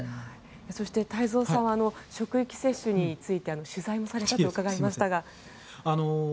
そして太蔵さんは職域接種について取材もされたと伺いましたが。